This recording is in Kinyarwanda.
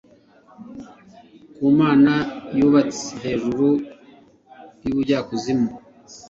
Ku Mana yubatse hejuru yubujyakuzimu